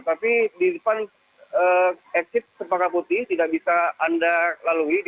tapi di depan exit cempaka putih tidak bisa anda lalui